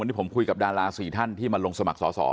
วันนี้ผมคุยกับดารา๔ท่านที่มาลงสมัครสอสอ